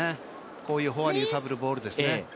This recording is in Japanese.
こういうフォアに揺さぶるボールですね。